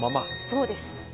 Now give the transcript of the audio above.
そうです。